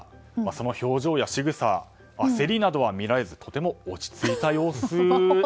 その表情やしぐさ焦りなどは見られずとても落ち着いた様子。